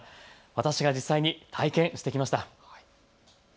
私が実際に体験してきました。